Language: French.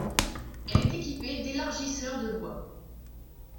Elle est équipée d’élargisseurs de voie.